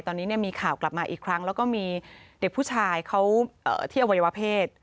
ตอนนี้มีข่าวกลับมาอีกครั้งแล้วก็มีเด็กผู้ชายเขาที่อวัยวเพศ